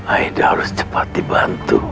aida harus cepat dibantu